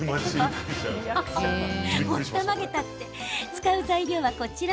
使う材料は、こちら。